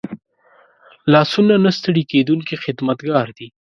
لاسونه نه ستړي کېدونکي خدمتګار دي